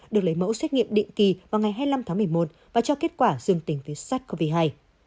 được lấy mẫu xét nghiệm định kỳ vào ngày hai mươi năm tháng một mươi một và cho kết quả dương tính với sát covid một mươi chín